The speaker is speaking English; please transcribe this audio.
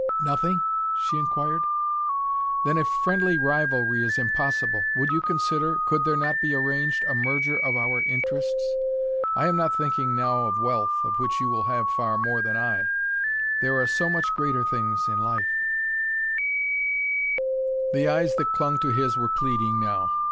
"Nothing?" she inquired. "Then, if friendly rivalry is impossible, would you consider, could there not be arranged a merger of our interests? I am not thinking now of wealth, of which you will have far more than I: there are so much greater things in life " The eyes that clung to his were pleading now.